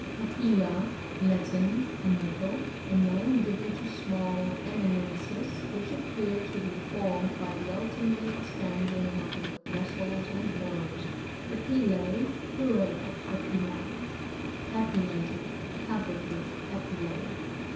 Papilla. — Latin. A nipple. A name given to smuU eminences, which appear to be formed by the aiti mate expansion of the vessels and nervea PAPiLi^iE. — Plural ot Papilla. Papillated. — Covered with Papille.